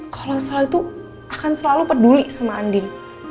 kalau sal tuh akan selalu peduli sama andin